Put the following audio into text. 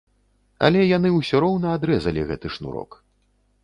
Але яны ўсё роўна адрэзалі гэты шнурок.